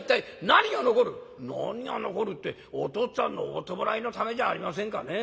「何が残るってお父っつぁんのお葬式のためじゃありませんかね。